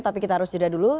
tapi kita harus jeda dulu